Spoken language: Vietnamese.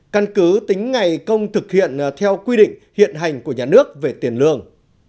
căn cứ tính ngày công thực hiện theo quy định hiện hành của nhà nước về tiền lương